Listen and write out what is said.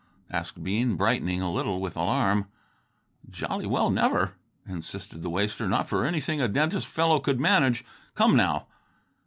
asked Bean, brightening a little with alarm. "Jolly well never," insisted the waster; "not for anything a dentist fellow could manage. Come now!"